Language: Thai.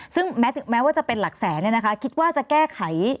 ซึ่งแม้ว่าจะเป็นหลักแสนคิดว่าจะแก้ไข